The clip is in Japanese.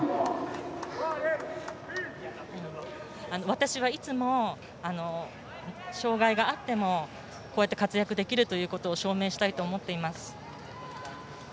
私はいつも障がいがあっても、こうやって活躍できるということを証明したいと思っています。